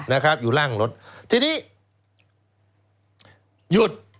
นะครับอยู่ล่างรถทีนี้หยุด